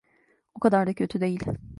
O kadar da kötü değil.